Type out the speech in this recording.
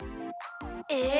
えっ？